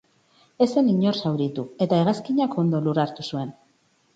Ez zen inor zauritu, eta hegazkinak ondo lur hartu zuen.